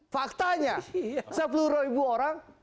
faktanya sepuluh ribu orang